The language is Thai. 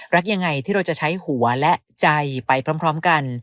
รักยังไงที่เราจะใช้หัวและใจไปพร้อมกัน